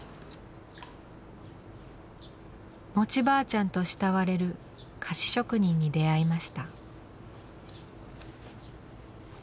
「餅ばあちゃん」と慕われる菓子職人に出会いました。